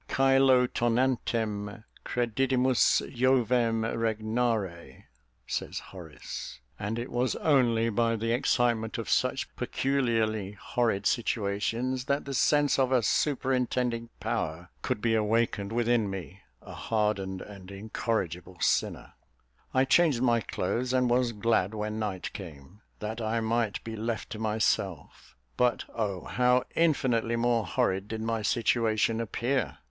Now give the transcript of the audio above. "Caelo tonantem credidimus Jovem regnare," says Horace; and it was only by the excitement of such peculiarly horrid situations, that the sense of a superintending power could be awakened within me, a hardened and incorrigible sinner. I changed my clothes, and was glad when night came, that I might be left to myself; but oh, how infinitely more horrid did my situation appear!